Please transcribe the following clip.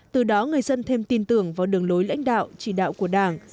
từ đó người dân thêm tin tưởng vào đường lối lãnh đạo chỉ đạo của đảng